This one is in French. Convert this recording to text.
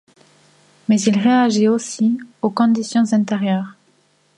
Mais il réagit aussi aux conditions intérieures.